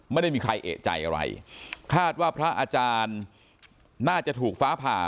ไม่ได้มีใครเอกใจอะไรคาดว่าพระอาจารย์น่าจะถูกฟ้าผ่า